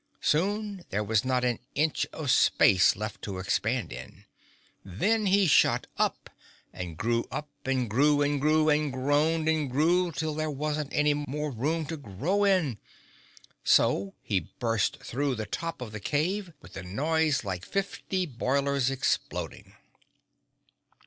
Soon there was not an inch of space left to expand in. Then he shot up and grew up and grew and grew and groaned and grew till there wasn't any more room to grow in. So, he burst through the top of the cave, with a noise like fifty boilers exploding.